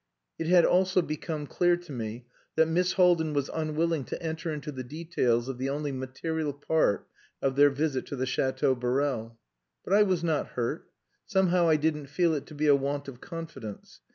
It had also become clear to me that Miss Haldin was unwilling to enter into the details of the only material part of their visit to the Chateau Borel. But I was not hurt. Somehow I didn't feel it to be a want of confidence.